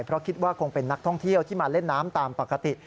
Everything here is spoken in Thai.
เพราะคิดว่าคงเป็นนักท่องเที่ยวที่มาเล่นน้ำตามปกติ